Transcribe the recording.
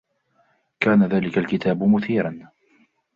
كان ذلك الكتاب مثيراً.